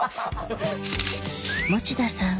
持田さん